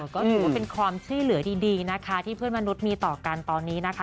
ก็ถือว่าเป็นความช่วยเหลือดีนะคะที่เพื่อนมนุษย์มีต่อกันตอนนี้นะคะ